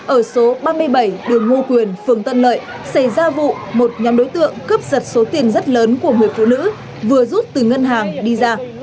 ở số ba mươi bảy đường ngu quyền phường tân lợi xảy ra vụ một nhóm đối tượng cướp giật số tiền rất lớn của người phụ nữ vừa rút từ ngân hàng đi ra